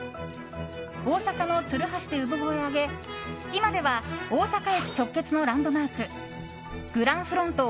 大阪の鶴橋で産声を上げ今では大阪駅直結のランドマークグランフロント